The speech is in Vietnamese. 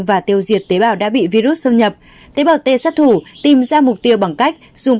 và tiêu diệt tế bào đã bị virus xâm nhập tế bào t sát thủ tìm ra mục tiêu bằng cách dùng